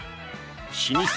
老舗